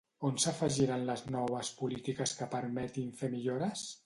On s'afegiran les noves polítiques que permetin fer millores?